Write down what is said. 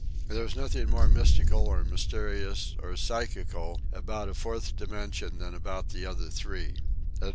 There is nothing more mystical or mysterious or " psychical " about a fourth dimension than about the other three.